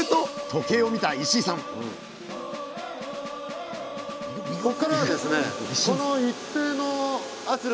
時計を見た石井さん７分後。